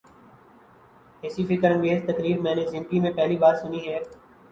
ایسی فکر انگیز تقریر میں نے زندگی میں پہلی بار سنی ہے۔